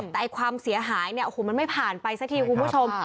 แต่ความเสียหายเนี่ยโอ้โหมันไม่ผ่านไปสักทีคุณผู้ชม